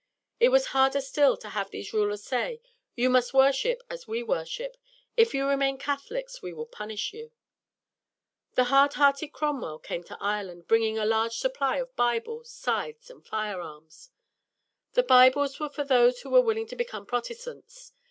It was harder still to have these rulers say, "You must worship as we worship. If you remain Catholics, we will punish you." The hard hearted Cromwell came to Ireland, bringing a large supply of Bibles, scythes, and firearms. The Bibles were for those who were willing to become Protestants.